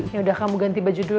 yaudah kamu ganti baju dulu deh